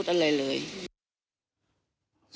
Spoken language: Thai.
ไม่ไม่มีพิรุธอะไรเลย